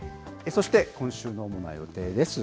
そして、今週の主な予定です。